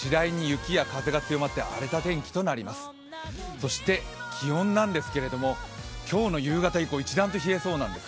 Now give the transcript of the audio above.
そして気温なんですけれど、今日の夕方以降一段と冷えそうなんですね。